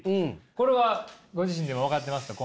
これはご自身でも分かってますか？